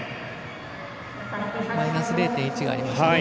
マイナス０．１がありましたね。